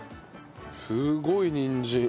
すごいにんじん！